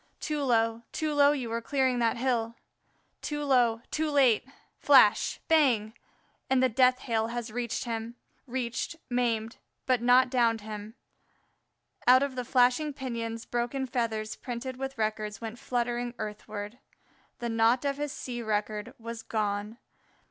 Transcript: Too low, too low you are clearing that hill. Too low too late! Flash bang! and the death hail has reached him; reached, maimed, but not downed him. Out of the flashing pinions broken feathers printed with records went fluttering earthward. The "naught" of his sea record was gone.